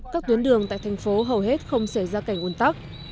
các tuyến đường tại thành phố hầu hết không xảy ra cảnh un tắc